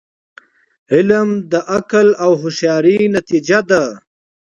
علم د عقل او هوښیاری نتیجه ده.